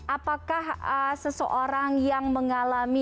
apakah seseorang yang mengalami